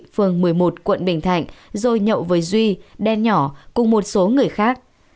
phường một mươi một quận bình thạnh rồi nhậu với duy đen nhỏ cùng một số người khác